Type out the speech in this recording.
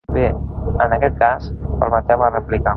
Bé, en aquest cas, permeteu-me replicar.